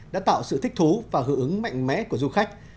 đã tạo sự thích thú và hưởng ứng mạnh mẽ của du khách